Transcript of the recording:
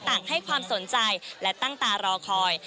ต่างให้ความสนใจและตั้งตารอคอย